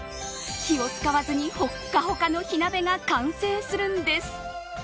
火を使わずにほっかほかの火鍋が完成するんです。